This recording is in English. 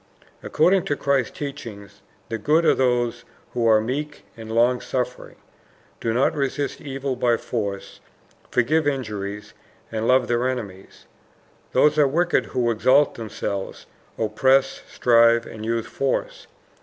According to Christ's teaching the good are those who are meek and long suffering, do not resist evil by force, forgive injuries, and love their enemies; those are wicked who exalt themselves, oppress, strive, and use force.